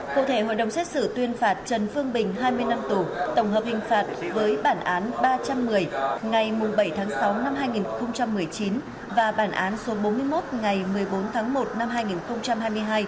cụ thể hội đồng xét xử tuyên phạt trần phương bình hai mươi năm tù tổng hợp hình phạt với bản án ba trăm một mươi ngày bảy tháng sáu năm hai nghìn một mươi chín và bản án số bốn mươi một ngày một mươi bốn tháng một năm hai nghìn hai mươi hai